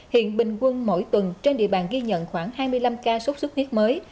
hiện bình quân mỗi tuần trên địa bàn ghi nhận khoảng hai mươi năm ca sốt xuất huyết mới